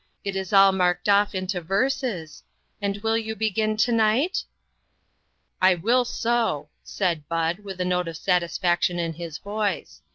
It is all marked off into verses and will you begin to night?" "I will so," said Bud, with a note of satisfaction in his voice.